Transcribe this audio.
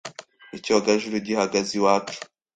Icyogajuru gihagaze iwacu